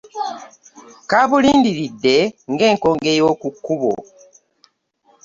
Kabulindiridde ng'enkonge y'oku kkubo .